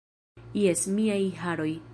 Jes, miaj haroj.